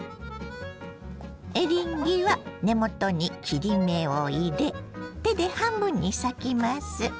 エリンギは根元に切り目を入れ手で半分に裂きます。